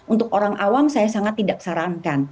untuk orang awam saya sangat tidak sarankan